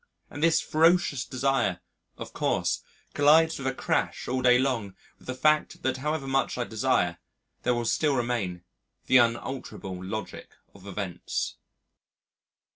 And this ferocious desire, of course, collides with a crash all day long with the fact that however much I desire there will still remain the unalterable logic of events.